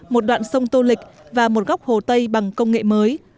một đoạn sông tô lịch và một góc hồ tây bằng công nghệ mới